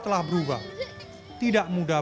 telah berubah tidak mudah